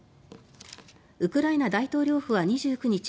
ウクライナ大統領府は２９日